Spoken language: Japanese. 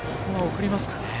送りますかね。